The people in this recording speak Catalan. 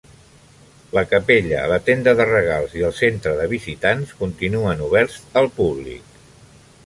La capella, la tenda de regals i el centre de visitants continuen oberts al públic.